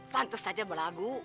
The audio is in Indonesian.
pantes saja berlagu